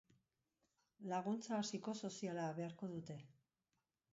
Laguntza psikosoziala beharko dute.